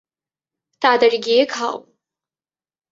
তাড়াতাড়ি গিয়ে খাও।